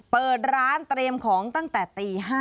เปิดร้านเตรียมของตั้งแต่ตี๕